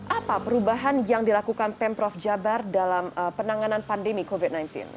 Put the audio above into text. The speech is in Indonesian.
apa perubahan yang dilakukan pemprov jabar dalam penanganan pandemi covid sembilan belas